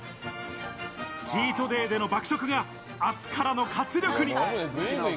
チートデイでの爆食が明日からの活力に。